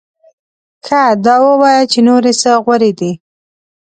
ښه دا ووایه چې نورې څه غورې دې؟